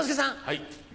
はい。